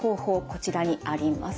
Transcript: こちらにあります。